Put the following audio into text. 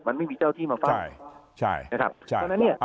มันไม่มีเจ้าที่มาฟังใช่ใช่ใช่ตรงนั้นเนี่ย